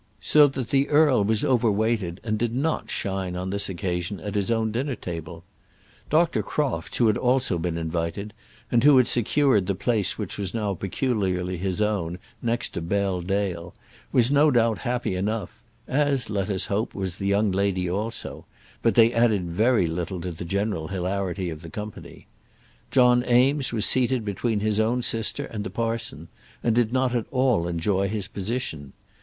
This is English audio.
So that the earl was overweighted and did not shine on this occasion at his own dinner table. Dr. Crofts, who had also been invited, and who had secured the place which was now peculiarly his own, next to Bell Dale, was no doubt happy enough; as, let us hope, was the young lady also; but they added very little to the general hilarity of the company. John Eames was seated between his own sister and the parson, and did not at all enjoy his position.